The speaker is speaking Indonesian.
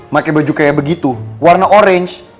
pakai baju kayak begitu warna orange